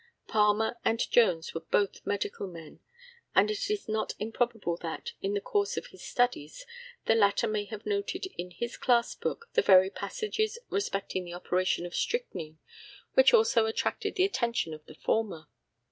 Palmer and Jones were both medical men; and it is not improbable that, in the course of his studies, the latter may have noted in his classbook the very passages respecting the operation of strychnine which also attracted the attention of the former.